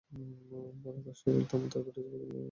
পরে তাঁর শরীরের তাপমাত্রা বেড়ে বুকের মধ্যে ঘড়ঘড় আওয়াজ হতে থাকে।